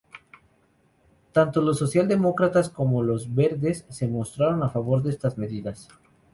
Tanto los socialdemócratas como los verdes se mostraron a favor de estas medidas.